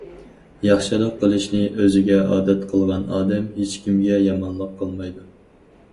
ياخشىلىق قىلىشنى ئۆزىگە ئادەت قىلغان ئادەم ھېچكىمگە يامانلىق قىلمايدۇ.